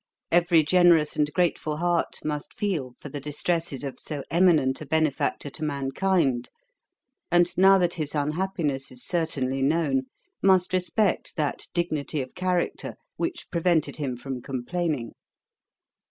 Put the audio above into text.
Every generous and grateful heart must feel for the distresses of so eminent a benefactor to mankind; and now that his unhappiness is certainly known, must respect that dignity of character which prevented him from complaining.